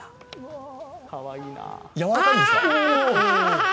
かわいいな。